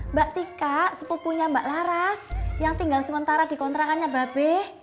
mbak tika sepupunya mbak laras yang tinggal sementara di kontrakannya mbak be